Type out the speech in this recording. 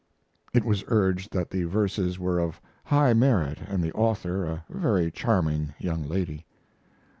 It was urged that the verses were of high merit and the author a very charming young lady.